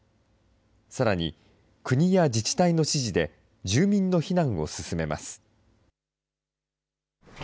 さらに国や自治体の指示で住民の避難を進めます。